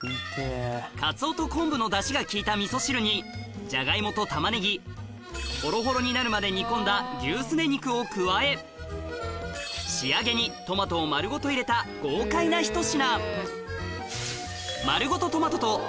カツオと昆布のダシが利いたみそ汁にほろほろになるまで煮込んだ牛スネ肉を加え仕上げにトマトを丸ごと入れた豪快なひと品